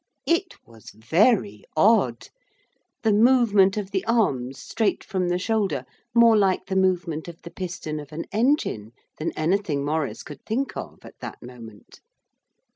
It was very odd the movement of the arms straight from the shoulder, more like the movement of the piston of an engine than anything Maurice could think of at that moment.